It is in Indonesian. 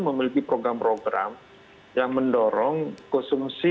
memiliki program program yang mendorong konsumsi